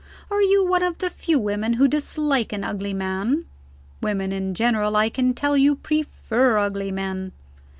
Are you one of the few women who dislike an ugly man? Women in general, I can tell you, prefer ugly men.